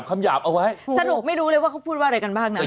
สนุกไม่รู้เลยว่าเขาพูดว่าอะไรกันบ้างนะ